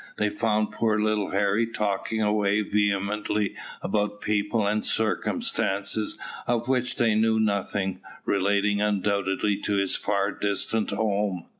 They found poor little Harry talking away vehemently about people and circumstances of which they knew nothing, relating undoubtedly to his far distant home.